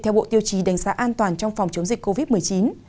theo bộ tiêu chí đánh giá an toàn trong phòng chống dịch covid một mươi chín